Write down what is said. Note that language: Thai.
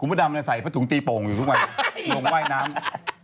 กูพระดำใส่ตุ๋งตีปงอยู่ทุกวันลงว่ายน้ำ